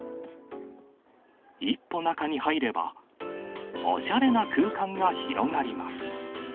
一歩中に入れば、おしゃれな空間が広がります。